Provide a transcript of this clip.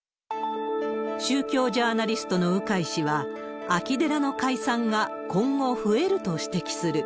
宗教ジャーナリストの鵜飼氏は、空き寺の解散が今後増えると指摘する。